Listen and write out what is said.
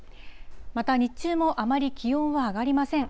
また、日中もあまり気温は上がりません。